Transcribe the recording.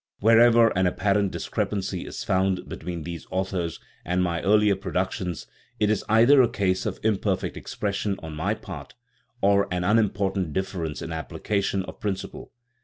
Wherever an apparent discrepancy is found between these authors and my earlier produc tions, it is either a case of imperfect expression on my part or an unimportant difference in application of principle.